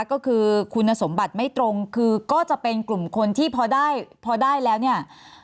ก็คือคุณสมบัติไม่ตรงคือก็จะเป็นกลุ่มคนที่พอได้พอได้แล้วเนี่ย